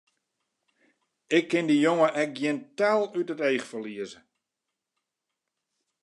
Ik kin dy jonge ek gjin tel út it each ferlieze!